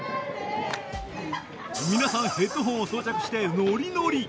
皆さんヘッドホンを装着してノリノリ。